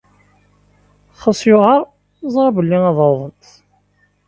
Ɣas yuɛeṛ, neẓṛa belli ad awḍent.